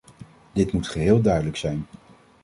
Dit moet geheel duidelijk zijn.